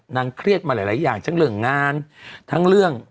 เครียดมาหลายอย่างทั้งเรื่องงานทั้งเรื่อง